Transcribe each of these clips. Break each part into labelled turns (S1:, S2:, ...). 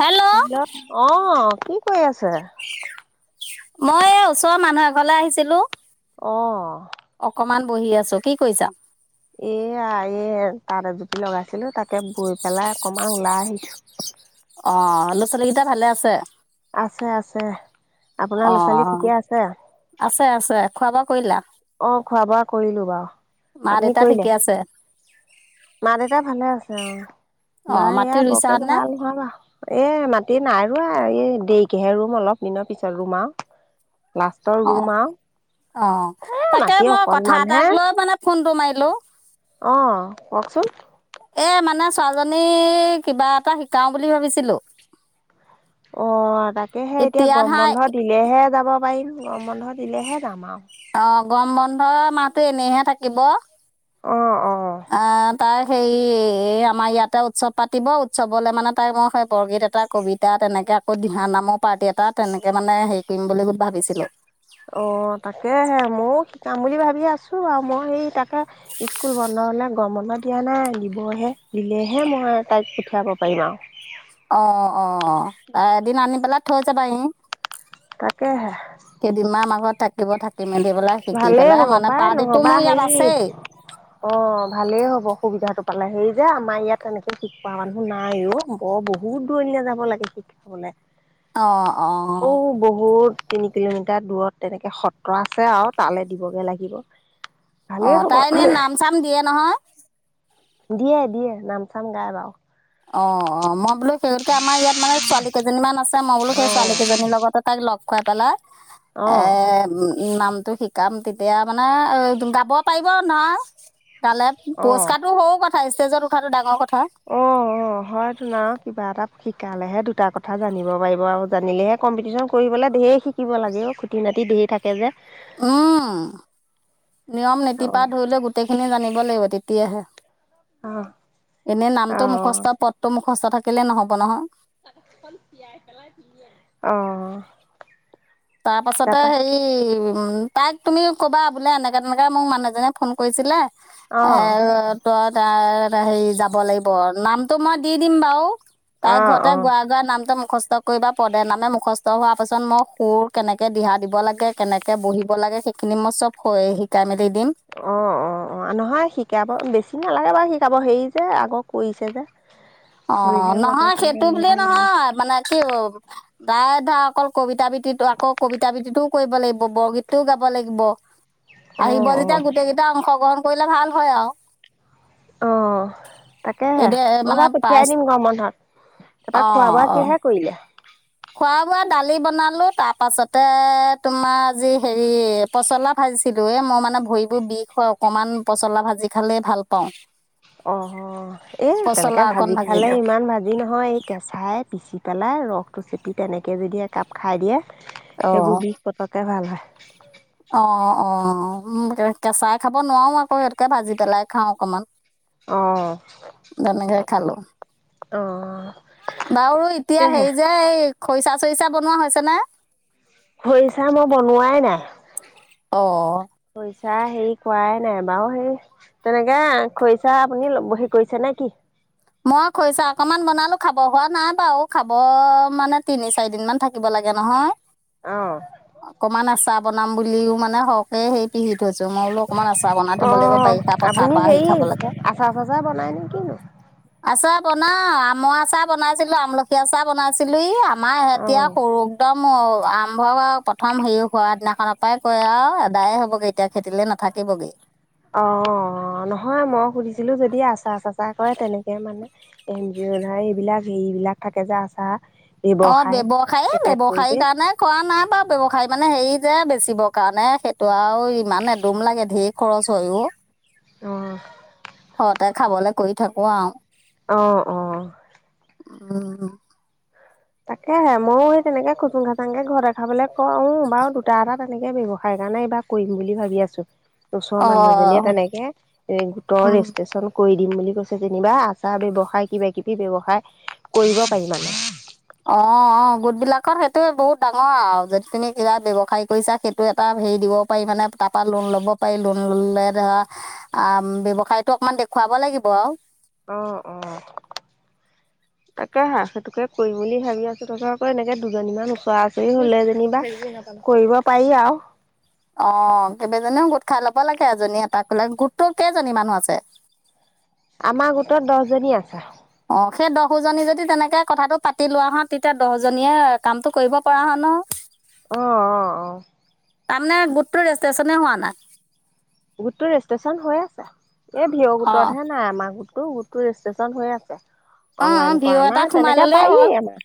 S1: Hello
S2: hello অ, কি কৰি আছে?
S1: মই এইয়া ওচৰৰ মানুহ এঘৰলৈ আহিছিলো।
S2: অ।
S1: অকমান বহি আছোঁ। কি কৰিছা?
S2: এয়া এ তাঁত এজুপি লগাইছিলো তাকে বৈ পেলাই অকমান ওলাই আহিছোঁ।
S1: অ, ল'ৰা ছোৱালীকেইটা ভালে আছে?
S2: আছে, আছে। আপোনাৰ
S1: অ,
S2: ল'ৰা ছোৱালী ঠিকে আছে?
S1: আছে, আছে। খোৱা বোৱা কৰিলা?
S2: অ, খোৱা বোৱা কৰিলো বাৰু।
S1: মা
S2: আপুনি
S1: দেউতা ঠিকে
S2: কৰিলে?
S1: আছে
S2: মা দেউতা ভালে আছে অ
S1: অ
S2: মা
S1: মাটি
S2: ইয়াৰ বৰকে
S1: ৰুইছানে
S2: ভাল নহয়। [unintelligible] এ মাটি নাই ৰুৱা এই দেৰিকেহে ৰুম অলপ দিনৰ পিছত ৰুম আৰু। লাষ্টৰ
S1: অ
S2: ৰুম আৰু।
S1: অ
S2: এ
S1: তাকে
S2: মাটি
S1: মই কথা
S2: অকনমান হে।
S1: এটাক লৈ মানে ফোনটো মাৰিলো।
S2: অ কওকচোন।
S1: এ মানে ছোৱালীজনীক কিবা এটা শিকাও বুলি ভাবিছিলো।
S2: অ, তাকেহে এতিয়া গম বন্ধ দিলেহে যাব পাৰিম গৰম বন্ধ দিলেহে যাম আৰু।
S1: অ, গৰম বন্ধ মাহটো এনেইহে থাকিব।
S2: অ, অ।
S1: আহ তাই সেই এই আমাৰ ইয়াতে উৎসৱ পাতিব উৎসৱলৈ মানে তাইক মই সেই বৰগীত এটা কবিতা তেনেকে আকৌ দিহা নামৰ পাৰ্টি এটা তেনেকে মানে হেৰি কৰিম বুলি ভাবিছিলো।
S2: অ' তাকেহে ময়ো শিকাম বুলি ভাবি আছো বাও মই সেই তাক কে স্কুল বন্ধ হ'লে গৰম বন্ধত এতিয়া নাই, দিবহে দিলেহে মই তাইক পঠিয়াব পাৰিম আও।
S1: অঁ অঁ এদিন আনি পেলাই থৈ যাবাহি।
S2: তাকেহে।
S1: কেইদিনমান আমাৰ ঘৰত থাকিব, থাকি মেলি পেলাই শিকি
S2: ভালেই
S1: পেলাই
S2: হ'ব
S1: মানে
S2: পাই
S1: পাৰ্টিতো
S2: নহ'বা
S1: মোৰ ইয়াত
S2: হেৰি
S1: আছেই।
S2: অঁ ভালেই হ'ব সুবিধাটো পালে। সেই যে আমাৰ ইয়াত তেনেকে শিকোৱা মানুহ নাই অও অ' বহুত দূৰিণিলে যাব লাগে, শিকিবলে।
S1: অঁ অঁ।
S2: বহুত তিনি কিলোমিটাৰ দূৰত তেনেকে সত্ৰ আছে আও তালে দিবগে লাগিব। ভালেই
S1: অঁ
S2: হ'ব
S1: তাই এনেই নাম চাম দিয়ে নহয়?
S2: দিয়ে দিয়ে নাম চাম গাই বাও।
S1: অঁ অঁ মই বোলো সেই গতিকে আমাৰ ইয়াত মানে ছোৱালী কেইজনী মান আছ মই বোলো সেই
S2: অঁ
S1: ছোৱালী কেইজনীৰ লগতে তাক ল'গ খুৱাই পেলাই, এ
S2: অঁ
S1: এ ওও নামটো শিকাম তেতিয়া মানে গাব পাৰিব নহয় তালে
S2: অ',
S1: পুৰস্কাটো সৰু কথা, ষ্টেজত উঠাটো ডাঙৰ কথা।
S2: অঁ অঁ। হয় তোন আও, কিবা এটা শিকালেহে দুটা কথা জানিব পাৰিব আও জানিলেহে কম্পিটিশন কৰিবলৈ ধেৰ শি শিকিব লাগে অও' খুটি নাতি ধেই থাকে যে।
S1: উম নিয়ম নীতিপা
S2: অ',
S1: ধৰি লৈ গোটেইখিনি জানিব লাগিব, তেতিয়াহে।
S2: অহ।
S1: এনেই নামটো মুখস্থ, পদটো মুখস্থ থাকিলে নহ'ব নহয়।
S2: খন তিয়াই পেলাই পিন্ধি আহি, [inaudible] অঁ
S1: তাপাছতে হেই এই উম তাইক তুমি ক'বা বোলে, এনেকে তেনেকে মোক মানুহজনীয়ে ফোন কৰিছিলে, এ
S2: অ',
S1: ত' তা হেৰি যাব লাগিব, নামটো মই দি দিম বাও। তাইৰ
S2: অ',
S1: ঘৰতে
S2: অ',
S1: গুৱাই গুৱাই নামটো মুখস্থ কৰিবা। পদে, নামে মুখস্থ হোৱাৰ পিছত মই সুৰ কেনেকে দিহা দিব লাগে, কেনেকে বহিব লাগে, সেইখিনি মই চ'ব হৈ শিকাই মেলি দিম।
S2: অঁ, অঁ। অঁ, নহয় শিকাব বেছি নালাগে বাৰু শিকাব, হেৰি যে আগ কইছে যে।
S1: অঁ
S2: কৰিলে বৰকে
S1: নহয়,
S2: কৰিব
S1: সেইটো বুলিয়ে
S2: নালাগে আৰু
S1: নহয়, মানে কি অ তাই ধৰখ অকল কবিতা আবৃত্তটো আকৌ, কবিতা আবৃত্তি টোও কৰিব লাগিব, বৰগীতটোও গাব লাগিব। আহিব
S2: অ',
S1: যেতিয়া
S2: অ',
S1: গোটেই কেইটা অংশ গ্ৰহণ কৰিলে ভাল হয় আও।
S2: অহ' তাকেহে মই
S1: মানে
S2: বাও
S1: পাইছ
S2: পঠিয়াই দিম গৰম বন্ধত, তাৰপা
S1: অঁ
S2: খোৱা-বোৱা
S1: অঁ
S2: কিহে কইলে?
S1: খোৱা- বোৱা দালি বনালো, তাপাছতে তোমাৰ যি হেৰি পচলা ভাজিছিলো, এ ম' মানে ভৰিবোৰ বিষ হয় অকমান, পচলা ভাজি খালেই ভাল পাওঁ।
S2: অ', অ' এই
S1: পচলা
S2: তেনেকে
S1: অকণ
S2: ভাজি খালে,
S1: ভাজিলোঁ
S2: ইমান ভাজি নহয় এই কেঁচাই পিচি পেলাই ৰসটো চেপি তেনেকে যদি একাপ খাই দিয়ে, সেইবো বিষ প'তককে ভাল হয়।
S1: অঁ অঁ অঁ উম, কেঁচাই খাব নোৱাও আক' ইয়াতকে ভাজি পেলাই খাওঁ অকমান।
S2: অঁ
S1: তেনেকে খালো।
S2: অঁ,
S1: বাৰু এতিয়া
S2: তাকেহে
S1: হেৰি যে, এই খৰিচা-চৰিচা বনোৱা হৈছেনে?
S2: খৰিছা, মই বনোৱাই নাই।
S1: অঁ
S2: খৰিছা হেৰি কৰাই নাই, বাৰু সেই তেনেকে খৰিচা আপুনি ল'বহি, কৰিছে নে কি?
S1: মই খৰিছা অকনমান বনালো, খাব হোৱা নাই বাৰু, খাব মানে তিনি-চাৰি দিন মান থাক কিব লাগে নহয়।
S2: অ।
S1: অকমান আচাৰ বনাম বুলিও মানে হওক এ, সেই পিহি থৈছো, মই বোলো অকণমান আচাৰ বনাই থব লাগিব, বাৰিষা পথাৰ পৰা আহি খাবলেকে।
S2: আচাৰ-চাচাৰ বনাই নে কিনো!
S1: আচাৰ বনাও, আমৰ আচাৰ বনাইছিলো, আমলখি আচাৰ বনাইছিলো, ই আমাৰ ইহঁতে
S2: অঁ
S1: আৰু সৰু একদম আৰম্ভ হোৱা আৰু প্ৰথম হেৰি হোৱাৰ দিনাখনৰ পৰাই কয় আৰু এদায় হ'বগৈ এতিয়া। খেতিলে নাথাকিবগে।
S2: অ', অ', নহয় মই সুধিছিলো, যদি আচাৰ-চাচাৰ কৰে, তেনেকে মানে এন জি অ' [unintelligible] এইবিলাক হেৰিবিলাক থাকে যে আচাৰত।
S1: অহ', ব্যৱসায়, ব্যৱসায়ী কাৰণে কৰা নাই বাৰু ব্যৱসায়, মানে হেৰি যে বেচিবৰ কাৰণে সেইটো আৰু ইমান এদুম লাগে, ধেৰ খৰচ হয় অ',
S2: অ
S1: ঘৰতে খাবলে কৰি থাকো আৰু।
S2: অ, অ।
S1: উম, উম।
S2: তাকেহে, ময়ো হেৰি তেনেকে খুটুং-খাটাংকে ঘৰতে খাবলৈ কওঁ, বাৰু দুটা-এটা তেনেকে ব্যৱসায় কাৰণে এইবাৰ কৰিম বুলি ভাবি আছো, ওচৰৰ
S1: অ
S2: মানুহ এজনীয়ে তেনেকে এ গোটৰ
S1: উম
S2: ৰেষ্ট্ৰেচন কৰি দিম বুলি কৈছে যেনিবা, আচাৰ ব্যৱসায় কিবা-কিবি ব্যৱসায় কৰিব পাৰি মানে।
S1: অ', অ', গোট বিলাকৰ সেইটোয়ে বহুত ডাঙৰ আৰু, যদি তুমি কিবা ব্যৱসায় কৰিছা, সেই টো এটা হেৰি দিব পাৰি, মানে তাৰপৰা লোন ল'ব পাৰি, লোন ল'লে ধৰা আম, ব্যৱসায়টো অকমান দেখুৱাব লাগিব আৰু।
S2: অ, অ।
S1: [inaudible]
S2: তাকেহে, সেইটোকে কৰিম বুলি ভাবি আছো, তাৰপাছত আকৌ এনেকে দুজনীমান ওচৰা-ওচৰি হ'লে যেনিবা কৰিব পাৰি আৰু।
S1: অ', কেইবা জনিও গোট খাই ল'ব লাগে, এজনী এটা কৰিলে, গোটটোত কেইজনী মানুহ আছে?
S2: আমাৰ গোটত দহ জনী আছে।
S1: অ, সেই দহোজনী যদি তেনেকে কথাটো পাতি লোৱা হ, তেতিয়া দহজনীয়ে কামটো কৰিব পৰা হয় নহয়।
S2: অ, অ, অ।
S1: তাৰমানে গোটটো ৰেষ্টেশ্যনেই হোৱা নাই!
S2: গোটতটো ৰেজিষ্ট্ৰেশচন হৈ আছে। এই ভিয়
S1: অ
S2: গোটত হে নাই। আমাৰ গোট তো গোটটো ৰেজিষ্টেশচন হৈ আছে।
S1: অ,
S2: অনলাইন
S1: ভিয়
S2: কৰা নাই
S1: এটাত সোমাই
S2: তেনেকে
S1: ল'লেই
S2: পাৰি
S1: হ'ল।
S2: আমাৰ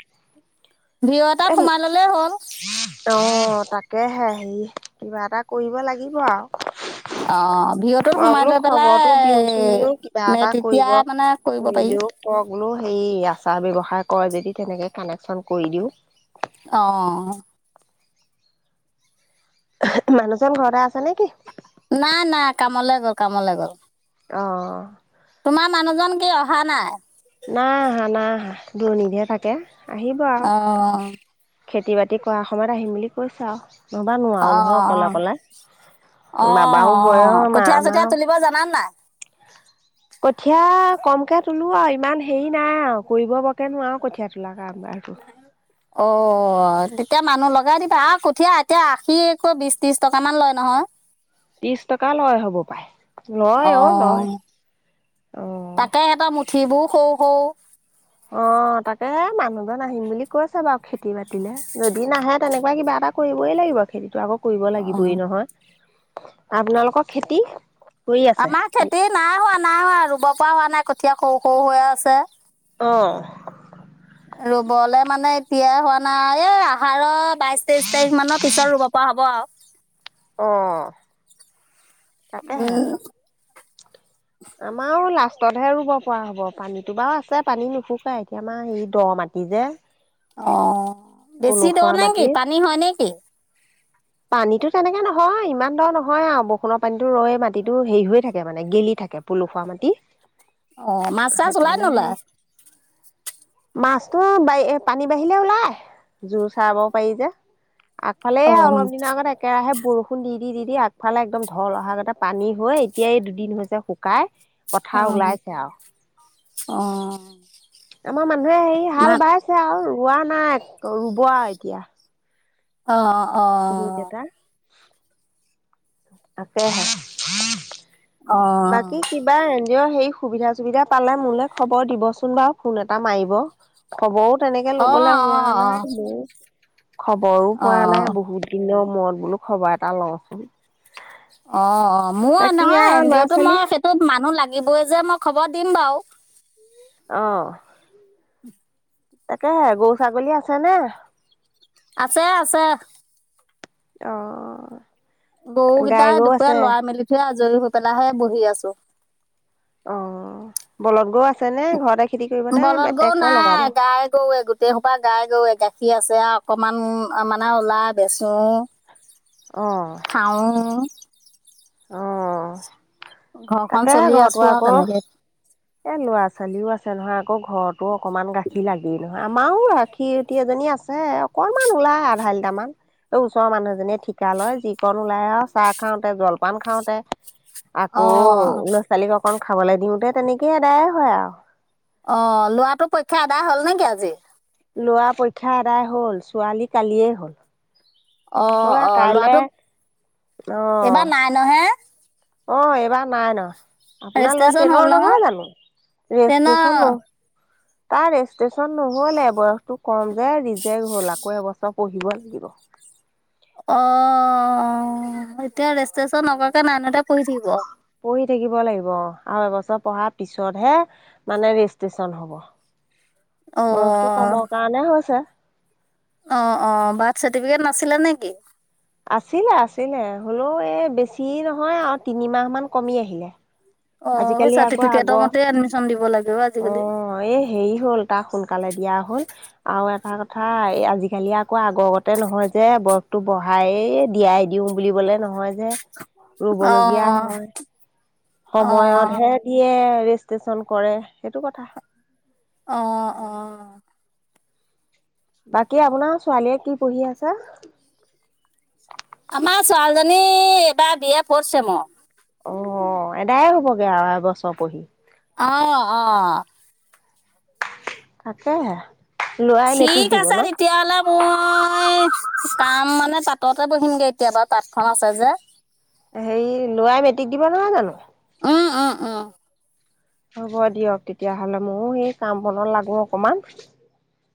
S1: ভিয় এটাত
S2: এ
S1: সোমাই ল'লেই হ'ল।
S2: অ, তাকেহে, হেৰি কিবা এটা কৰিব লাগিব আৰু।
S1: অ ভিঅ'টোত
S2: মই
S1: সোমাই
S2: বোলো
S1: লৈ পেলাই
S2: খবৰটো দিওঁচোন বোলো, কিবা
S1: নে
S2: এটা
S1: তেতিয়া
S2: কৰিব,
S1: মানে কৰিব পাৰি
S2: কৰিলেও কৰক বোলো, সেই আচাৰ ব্যৱসায় কৰে যদি তেনেকে কানেকচন কৰি দিও।
S1: অ।
S2: মানুহজন ঘৰতে আছে নেকি!
S1: নাই, নাই, কামলৈ গ'ল, কামলৈ গ'ল।
S2: অঁ।
S1: তোমাৰ মানুহজন কি অহা নাই?
S2: নাই আহা, নাই আহা, [unintelligible] থাকে। আহিব আৰু
S1: অ'
S2: খেতি বাতি কৰাৰ সময়ত আহিম বুলি কৈছে আৰু, ন'হবা
S1: অ
S2: নোৱাৰোঁ নহয়, অকলে, অকলে
S1: অ',
S2: বাবাও বয়স
S1: অ',
S2: মা
S1: কঠীয়া, চঠীয়া
S2: আমাৰো
S1: তুলিব জানানে নাই?
S2: কঠীয়া কমকে তোলোঁ আৰু ইমান হেৰি নাই আৰু কৰিব বৰকে নোৱাৰোঁ কঠীয়া তোলা। [unintelligible]
S1: অ', তেতিয়া মানুহ লগাই দিবা আৰু ক কঠীয়া এতিয়া আশিকৈ বিচ, ত্ৰিচ টকামান লয় নহয়।
S2: ত্ৰিশ টকা লয় হ'ব পাই, লয় অ', লয়,
S1: তাকে
S2: অ'।
S1: [unintelligible] সৰু, সৰু।
S2: অ', তাকে, মানুহজন আহিম বুলি কৈছে বাৰু খেতি বাতিলে যদি নাহে তেনেকুৱাই কিবা এটা কৰিবই লাগিব খেতিটো আকৌ কৰিব
S1: অ
S2: লাগিবই নহয়, আপোনালোকৰ খেতি? কৰি আছে
S1: আমাৰ খেতি নাই হোৱা, নাই হোৱা ৰুব পৰা হোৱা নাই, কঠীয়া সৰু, সৰু হৈ আছে।
S2: অ'।
S1: ৰুবলে মানে এতিয়া হোৱা নাই, এই আহাৰৰ বাইচ, তেইচ তাৰিখ মানৰ পিছত ৰুব পৰা হ'ব আৰু।
S2: অ'। তাকেহে
S1: [inaudible]
S2: আমাৰো লাষ্টতহে ৰুব পৰা হ'ব পানীতো বাৰু আছে, পানী নুশুকাই এতিয়া আমাৰ হেৰি দ' মাট টি, যে
S1: অ', বেছি
S2: পলসুৱা
S1: দ' নেকি?
S2: মাটি
S1: পানী হয়, নেকি?
S2: পানীতো তেনেকে নহয় ইমান দ' নহয় আৰু বৰষুণৰ পানীটো ৰৈ মাটিটো হেৰি হৈ থাকে মানে, গেলি থাকে। পলসুৱা মাটি।
S1: অ', মাছ, চাছ ওলাই
S2: সেইকাৰণে সেই
S1: নোলাই?
S2: মাছটো বাই-পানী বাঢ়িলে ওলাই, জোৰ চৰাব পাৰি যে আগফালে
S1: অ
S2: এয়া অলপ আগত একেৰাহে বৰষুণ দি, দি, দি, দি আগফালে একদম ঢল অহা আগতে পানী হৈ এতিয়াই এই দুদিন হৈছে শুক কাই
S1: অ', অ'।
S2: আমাৰ মানুহে হেৰি
S1: মা
S2: হাল বাইছে আৰু, ৰোৱা নাই, ৰুব আৰু এতিয়া।
S1: অ', অ'।
S2: কেটা তাকেহে,
S1: অ
S2: বাকী? কিবা এন জিঅ' সেই সুবিধা, চোবিধা পালে মোলে খবৰ দিবচোন বাৰু, ফোন এটা মাৰিব। খবৰো তেনেকে
S1: অ
S2: ল'বলৈ হোৱা
S1: অ
S2: নাই মোৰ, খবৰো পোৱা নাই
S1: অ
S2: বহুত। দিনৰ মূৰত বোলোঁ খবৰ এটা লওঁচোন।
S1: অ', অ', মোৰ
S2: বাকী
S1: নহয়
S2: আৰু
S1: এন
S2: ল'ৰা
S1: জিঅ' তো
S2: ছোৱালী
S1: মই সেইটো মানুহ লাগিবই যে, মই খবৰ দিম বাৰু।
S2: অ'। তাকেহে, গৰু, ছাগলী আছেনে?
S1: আছে, আছে।
S2: অ'।
S1: গৰুকেইটা
S2: গাই গৰু আছে
S1: দুপৰীয়া লৰাই, মেলি থৈ আজৰি হৈ পেলাইহে বহি আছোঁ।
S2: অ', বলধ গৰু আছেনে? ঘৰতে খেতি কৰিব নে
S1: বলধ গৰু
S2: ট্ৰেক্টৰ লগাব
S1: নাই, গাই গৰুৱে গোট গোটেই সোপা গাই গৰুৱে, গাখীৰ আছে আৰু অকনমান মানে ওলাই বেচোঁ
S2: অ'।
S1: আৰু।
S2: অ'
S1: ঘৰখন
S2: তাতে
S1: চলি
S2: ঘৰতো
S1: আছো আৰু
S2: আকৌ।
S1: তেনেকে
S2: এ, ল'ৰা ছোৱালীওঁ আছে নহয় আকৌ ঘৰতো অকমান গাখীৰ লাগেই নহয়। আমাৰো ৰাখী অতি এজনী আছে অকনমান ওলাই আধা লিটাৰমান। এই ওচৰৰ মানুহজনীয়ে ঠিকা লয় যিকণ ওলাই আৰু চাহ খাওঁতে গ'ল। পান খাওঁতে, আকৌ
S1: অঁ
S2: ছোৱালীক অকন খাবলৈ দিওঁতে তেনেকৈয়ে আদায়াই হয় আৰু।
S1: অ' ল'ৰাটোৰ পৰীক্ষা আদায় হ'ল নেকি আজি।
S2: ল'ৰা পৰীক্ষা আদায় হ'ল, ছোৱালী কালিয়েই হ'ল।
S1: অ', অ', ল'ৰাটো,
S2: অ
S1: এইবাৰ নাইনৰ হে।
S2: অ' এইবাৰ নাইনৰ, আপোনাৰ ল'ৰা
S1: ৰেজিষ্ট্ৰেশ্যন হ'ল
S2: টেইনৰ নহয় জানো,
S1: টেনৰ
S2: ৰেজিষ্ট্ৰেচন তাৰ ৰেজিষ্ট্ৰেচন নহ'লে বয়সটো কম যে ৰিজেক্ট হ'ল আকৌ এবছৰ পঢ়িব লাগিব।
S1: অ' এতিয়া ৰেজিষ্ট্ৰেচন নকৰাকে নাইনতে পঢ়ি থাকিব।
S2: পঢ়ি থাকিব লাগিব অ' আৰু এবছৰ পঢ়াৰ পিছতহে মানে ৰেজিষ্ট্ৰেচন হ'ব,
S1: অঁ
S2: বয়সটো কমৰ কাৰণে হৈছে।
S1: অ', অ', বাৰ্থ'চাৰ্টিফিকেট নাছিলে নেকি?
S2: আছিলে আছিলে হ'লেও এই বেছি নহয় আৰু তিনিমাহমান কমি আহিলে।
S1: অ'
S2: আজিকালি আকৌ
S1: চাৰ্টিফিকেটৰ
S2: আগৰ
S1: মতে এডমিশ্যন দিব লাগে অ' আজিকালি।
S2: অ' এই হেৰি হ'ল তাৰ সোনকালে দিয়া হ'ল। আৰু এটা কথা এই আজিকালি আকৌ আগৰগতে নহয় যে বয়সটো বঢ়াহাই দিয়াই দিওঁ বুলিবলে নহয় যে, ৰব লগীয়া
S1: অঁ
S2: হয়।
S1: অ',
S2: সময়তহে দিয়ে ৰেজিষ্ট্ৰেশচন কৰে সেইটো কথা।
S1: অ', অ'।
S2: বাকী আপোনাৰ ছোৱালীয়ে কি পঢ়ি আছে?
S1: আমাৰ ছোৱালীজনী এবাৰ বি এ ফৰ্থচেমৰ।
S2: অ' এদায় হ'বগে আৰু এবছৰ পঢ়ি।
S1: অ', অ'।
S2: তাকেহে। লৰাই মেট্ৰিক
S1: ঠিক
S2: দিব
S1: আছে
S2: ন
S1: তেতিয়া হ'লে মই, কাম মানে তাঁততে বহিমগে এতিয়া বাৰু তাঁতখন আছে যে।
S2: হেৰি ল'ৰাই মেট্ৰিক দিব নহয় জানো।
S1: অ', অ', অ'।
S2: হ'ব দিয়ক তেতিয়াহ'লে ময়ো সেই কাম বনত লাগো অকমান।